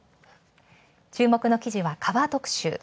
注目の記事はカバー特集。